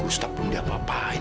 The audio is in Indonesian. gustaf belum diapa apain